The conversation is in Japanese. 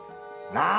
なあ！